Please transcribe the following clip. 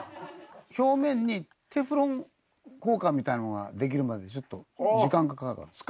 表面にテフロン効果みたいなのができるまでちょっと時間かかるから。